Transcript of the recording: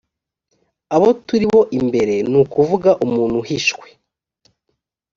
abo turi bo imbere ni ukuvuga umuntu uhishwe